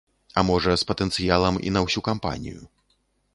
А можа з патэнцыялам і на ўсю кампанію.